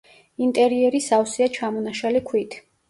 ინტერიერი სავსეა ჩამონაშალი ქვით.